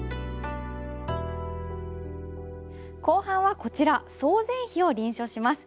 後半はこちら「曹全碑」を臨書します。